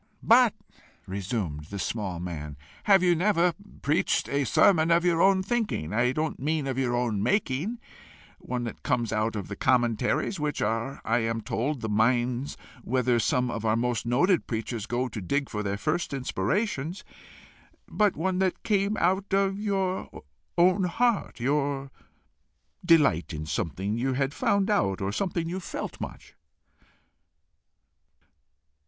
"But," resumed the small man, "have you never preached a sermon of your own thinking I don't mean of your own making one that came out of the commentaries, which are, I am told, the mines whither some of our most noted preachers go to dig for their first inspirations but one that came out of your own heart your delight in something you had found out, or something you felt much?"